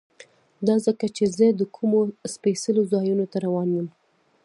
دا ځکه چې زه د کومو سپېڅلو ځایونو ته روان یم.